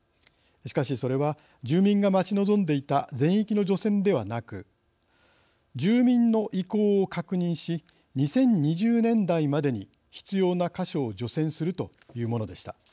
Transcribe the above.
しかし、それは住民が待ち望んでいた全域の除染ではなく住民の意向を確認し２０２０年代までに必要な箇所を除染するというものでした。